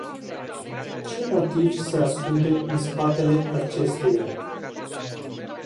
Ce motiv se ascunde în spatele acesteia?